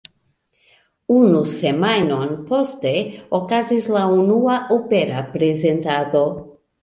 Unu semajnon poste okazis la unua opera prezentado.